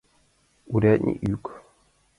Урядник йӱк.